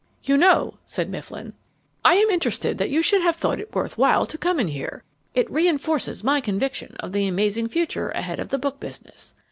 "You know," said Mifflin, "I am interested that you should have thought it worth while to come in here. It reinforces my conviction of the amazing future ahead of the book business.